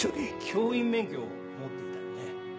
教員免許を持っていたよね？